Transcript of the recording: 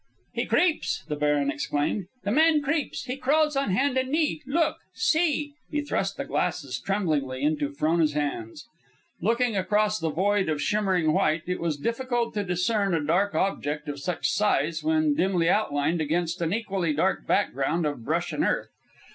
"He creeps!" the baron exclaimed. "The man creeps, he crawls, on hand and knee! Look! See!" He thrust the glasses tremblingly into Frona's hands. Looking across the void of shimmering white, it was difficult to discern a dark object of such size when dimly outlined against an equally dark background of brush and earth.